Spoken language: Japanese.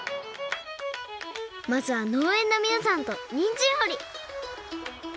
まずはのうえんのみなさんとにんじんほり。